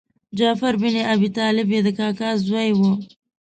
جعفر بن ابي طالب یې د کاکا زوی و.